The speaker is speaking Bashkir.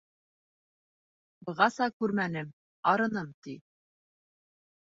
Бығаса күрмәнем, арыным, ти.